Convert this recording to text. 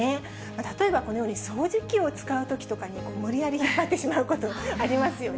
例えばこのように掃除機を使うときとかに、無理やり引っ張ってしまうこと、ありますよね。